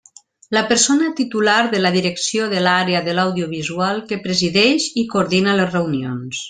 La persona titular de la Direcció de l'Àrea de l'Audiovisual, que presideix i coordina les reunions.